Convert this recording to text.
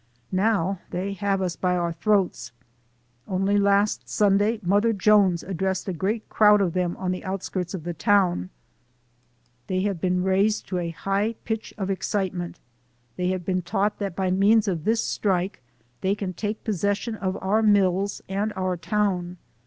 Now they have us by our throats. Only last Sunday, 'Mother Jones' addressed a great crowd of them on the out skirts of the town. They have been raised to a high pitch of excitement. They have been taught that by means of this strike they can take possession of our mills and our town.